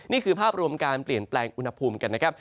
นี่คือภาพรวมการเปลี่ยนแปลงอุณหภูมิกันนะครับ